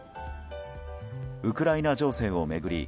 ウクライナ情勢を巡り